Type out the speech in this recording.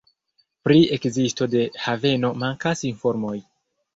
Pri ekzisto de haveno mankas informoj.